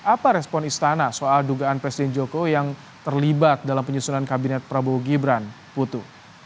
apa respon istana soal dugaan presiden jokowi yang terlibat dalam penyusunan kabinet prabowo gibran putu